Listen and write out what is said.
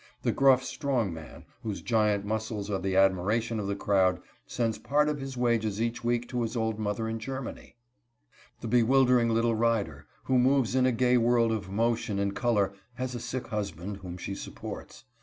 The gruff strong man, whose giant muscles are the admiration of the crowd, sends part of his wages each week to his old mother in Germany; the bewildering little rider, who moves in a gay world of motion and color, has a sick husband, whom she supports.